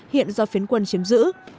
hiện do phiến quân chiếm giữ